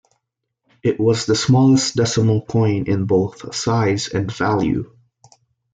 It was the smallest decimal coin in both size and value.